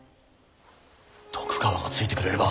徳川がついてくれれば心強いな。